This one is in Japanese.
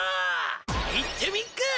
いってみっか！